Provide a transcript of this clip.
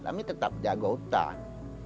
kami tetap jaga hutan